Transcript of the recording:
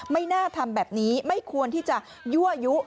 ไม่น่าทำแบบนี้ไม่ควรที่จะยั่วยุ